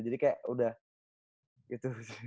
jadi kayak udah gitu sih